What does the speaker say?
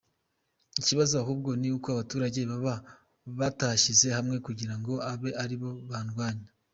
Ikibazo ahubwo ni uko abaturage baba batashyize hamwe kugira ngo abe aribo babarwanya.